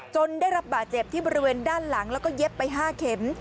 ได้รับบาดเจ็บที่บริเวณด้านหลังแล้วก็เย็บไป๕เข็ม